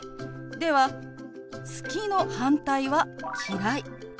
では「好き」の反対は「嫌い」。